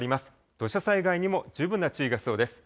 土砂災害にも十分な注意が必要です。